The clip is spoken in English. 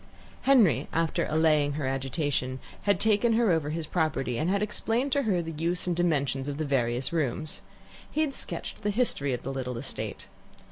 Henry, after allaying her agitation, had taken her over his property, and had explained to her the use and dimensions of the various rooms. He had sketched the history of the little estate.